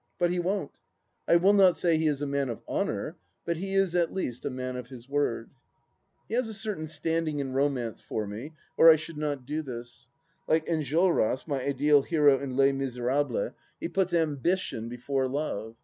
But he won't. I will not say he is a man of honour, but he is at least a man of his word. He has a certain standing in romance for me, or I should not do this. LUce Enjolras, my ideal hero in Les Misirahlet^ 266 THE LAST DITCH he puts Ambition before Love.